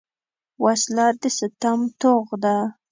وسله د ستم توغ ده